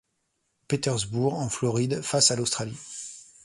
Petersburg, en Floride, face à l'Australie.